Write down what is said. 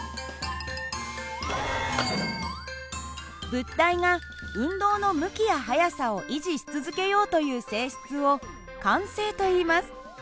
物体が運動の向きや速さを維持し続けようという性質を慣性といいます。